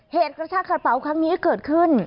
เหตุกระชากระเป๋าครั้งนี้เกิดขึ้น